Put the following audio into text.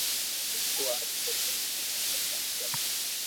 تو آج ڪر ڪوم ختم بس آ ڪروو ھي